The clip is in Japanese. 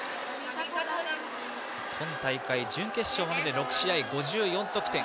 今大会準決勝までで６試合５４得点。